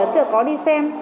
tựa có đi xem